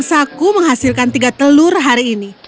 saku menghasilkan tiga telur hari ini